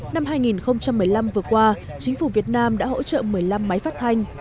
năm hai nghìn một mươi năm vừa qua chính phủ việt nam đã hỗ trợ một mươi năm máy phát thanh